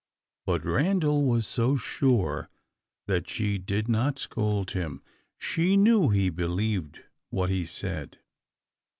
But Randal was so sure, that she did not scold him. She knew he believed what he said.